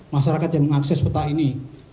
masyarakat yang mengakses peta ini